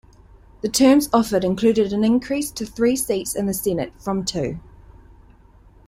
The terms offered included an increase to three seats in the Senate from two.